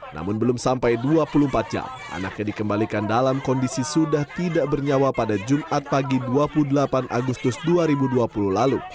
namun belum sampai dua puluh empat jam anaknya dikembalikan dalam kondisi sudah tidak bernyawa pada jumat pagi dua puluh delapan agustus dua ribu dua puluh lalu